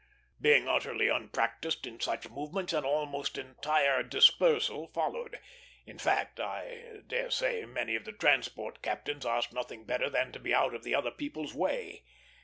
Being utterly unpractised in such movements, an almost entire dispersal followed; in fact, I dare say many of the transport captains asked nothing better than to be out of other people's way.